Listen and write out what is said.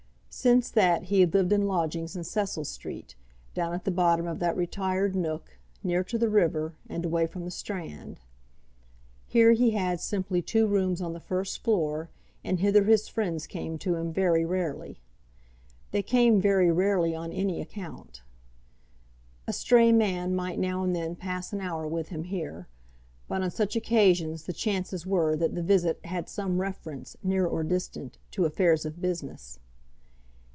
Since that he had lived in lodgings in Cecil Street, down at the bottom of that retired nook, near to the river and away from the Strand. Here he had simply two rooms on the first floor, and hither his friends came to him very rarely. They came very rarely on any account. A stray man might now and then pass an hour with him here; but on such occasions the chances were that the visit had some reference, near or distant, to affairs of business.